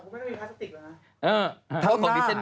คุณแม่ก็ไม่มีพลาสติกเหรอนะ